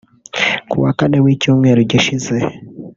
Kuwa Kane w’icyumweru gishize